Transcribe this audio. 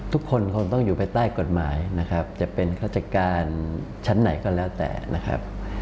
ทุกคนคงต้องอยู่ภายใต้กฎหมายนะครับจะเป็นฆาติการชั้นไหนก็แล้วแต่นะครับ